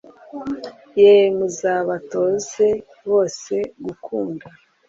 yeee muzabatoze bose gukunda